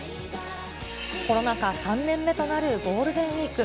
コロナ禍３年目となるゴールデンウィーク。